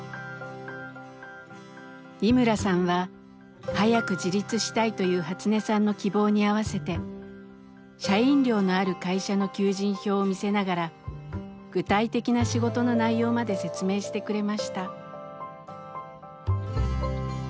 井村さんは早く自立したいというハツネさんの希望に合わせて社員寮のある会社の求人票を見せながら具体的な仕事の内容まで説明してくれました。